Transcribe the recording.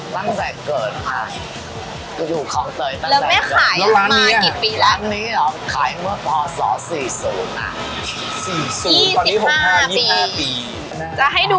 ตั้งแต่เกินค่ะตั้งแต่หรอ